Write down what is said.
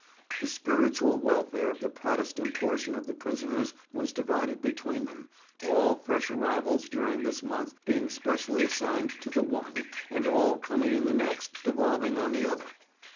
The spiritual welfare of the Protestant portion of the prisoners was divided between them, all fresh arrivals during this month being specially assigned to the one, and all coming in the next devolving on the other.